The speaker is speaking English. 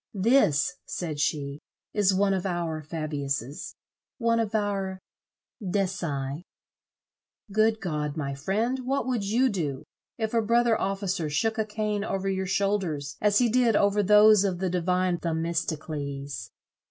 "This," said she, "is one of our Fabiuses, one of our Decii. Good God, my friend, what would you do, if a brother officer shook a cane over your shoulders as he did over those of the divine Themistocles?